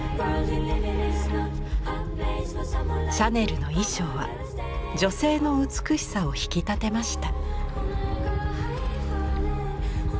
シャネルの衣装は女性の美しさを引き立てました。